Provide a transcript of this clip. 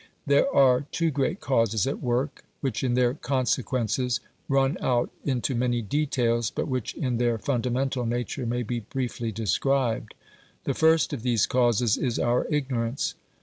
There are two great causes at work, which in their consequences run out into many details, but which in their fundamental nature may be briefly described. The first of these causes is our ignorance.